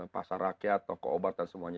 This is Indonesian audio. pasar rakyat toko obat dan semuanya